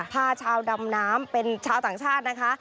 พาชาวดำน้ำเป็นชาวต่างชาตินะคะ